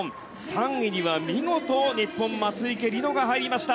３位には見事、日本、松生理乃が入りました。